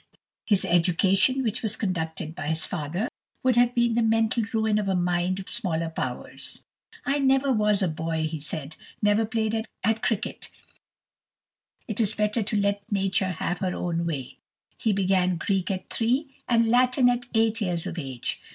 His education, which was conducted by his father, would have been the mental ruin of a mind of smaller powers. "I never was a boy," he said, "never played at cricket; it is better to let Nature have her own way." He began Greek at three, and Latin at eight years of age.